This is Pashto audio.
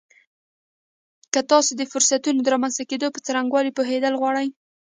که تاسې د فرصتونو د رامنځته کېدو په څرنګوالي پوهېدل غواړئ.